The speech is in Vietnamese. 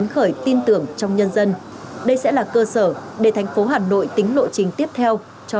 khởi tin tưởng trong nhân dân đây sẽ là cơ sở để thành phố hà nội tính lộ trình tiếp theo cho